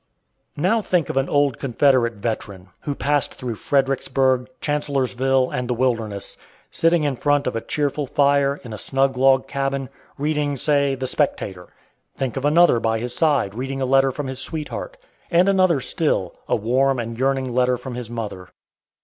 Now think of an old Confederate veteran, who passed through Fredericksburg, Chancellorsville, and the Wilderness, sitting in front of a cheerful fire in a snug log cabin, reading, say, "The Spectator!" Think of another by his side reading a letter from his sweetheart; and another still, a warm and yearning letter from his mother.